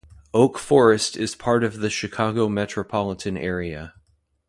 Oak Forest is part of the Chicago metropolitan area.